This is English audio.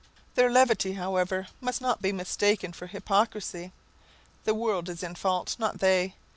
Their levity, however, must not be mistaken for hypocrisy. The world is in fault, not they.